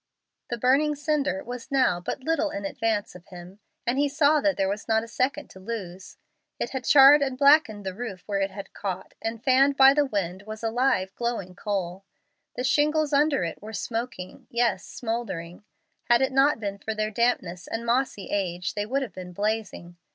The burning cinder was now but little in advance of him, and he saw that there was not a second to lose. It had charred and blackened the roof where it had caught, and, fanned by the wind, was a live, glowing coal. The shingles under it were smoking yes, smouldering. Had it not been for their dampness and mossy age, they would have been blazing.